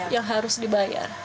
yang harus dibayar